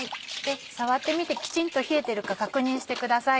触ってみてきちんと冷えてるか確認してください。